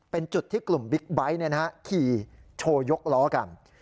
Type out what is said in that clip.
เป็นจุดที่กลุ่มบิ๊กไบท์ขี่โชว์ยกล้อกัน